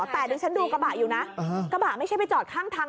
แต่ดิฉันดูกระบะอยู่นะกระบะไม่ใช่ไปจอดข้างทาง